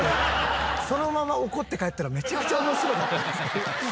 そのまま怒って帰ったらめちゃくちゃ面白かった。